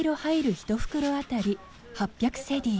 １袋当たり８００セディ